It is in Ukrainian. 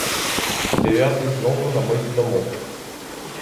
Дев'ятий знову на мить замовк.